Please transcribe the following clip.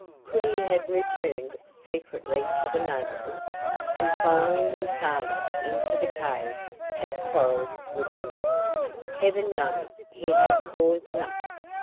Could he have returned secretly to the neighborhood, and, following his father into the cave, have quarreled with him? Heaven knows he had cause enough!